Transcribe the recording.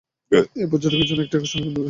এটি পর্যটকদের জন্য একটি আকর্ষণের কেন্দ্রবিন্দু।